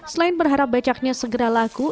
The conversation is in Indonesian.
selain berharap becaknya segera laku